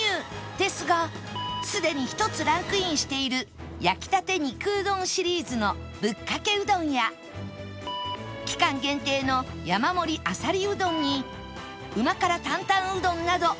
ですがすでに１つランクインしている焼きたて肉うどんシリーズのぶっかけうどんや期間限定の山盛りあさりうどんにうま辛坦々うどんなど